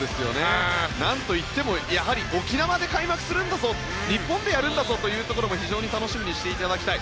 なんと言ってもやはり沖縄で開幕するんだぞ日本でやるんだぞというところも非常に楽しみにしていただきたい。